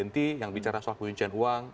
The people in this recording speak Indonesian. misalnya ibu yanti yang bicara soal keuncian uang